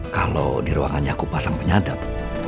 kalau di ruangannya aku pasang penyadap